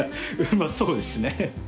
まあそうですね。